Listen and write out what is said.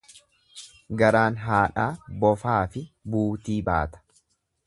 Garaan haadhaa bofaafi buutii baata.